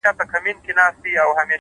هره ورځ د نوې لاسته راوړنې چانس لري’